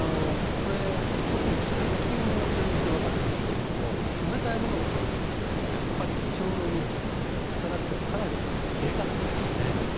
特に最近の研究でわかったんですが冷たいものを取るとやっぱり胃腸の動き、働きはかなり低下するんですね。